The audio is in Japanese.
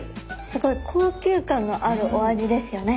すごい高級感があるお味ですよね。